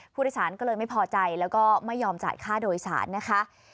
ผู้โดยสารก็เลยไม่พอใจแล้วก็ไม่ยอมจ่ายค่าโดยสารนะคะ